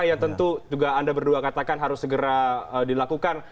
yang tentu juga anda berdua katakan harus segera dilakukan